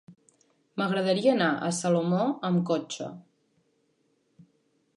M'agradaria anar a Salomó amb cotxe.